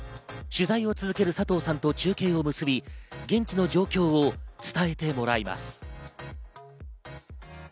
取材を続ける佐藤さんと中継を結び、現地の状況を伝えてもらいます。